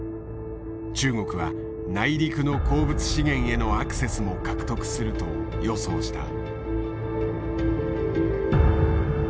中国は内陸の鉱物資源へのアクセスも獲得すると予想した。